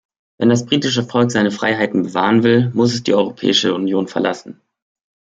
Wenn das britische Volk seine Freiheiten bewahren will, muss es die europäische Union verlassen.